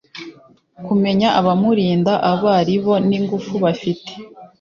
Kumenya abamurinda abo ari bo n’ingufu bafite